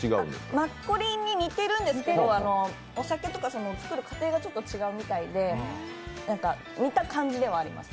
マッコリに似てるんですけど、つくる過程がちょっと違うみたいで、似た感じではあります。